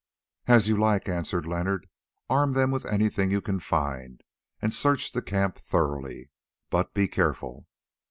"As you like," answered Leonard. "Arm them with anything you can find, and search the camp thoroughly. But be careful."